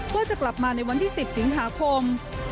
ว่าจะกลับมาในวันที่๑๐สิงหาคม